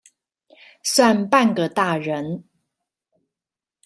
算半個大人